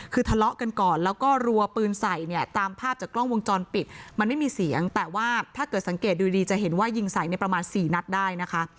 คือทะเลาะกันก่อนแล้วก็รัวปืนใส่เนี่ยตามภาพจากกล้องวงจรปิดมันไม่มีเสียงแต่ว่าถ้าเกิดสังเกตดูดีจะเห็นว่ายิงใส่ในประมาณสี่นัดได้นะคะ